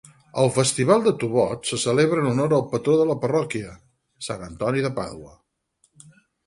El festival de Tubod se celebra en honor al patró de la parròquia, Sant Antoni de Pàdua.